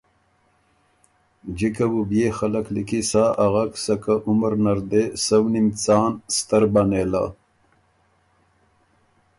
جکه بُو بيې خلق لیکی سا اغک سکه عمر نر دې سؤنیم څان ستر بۀ نېله۔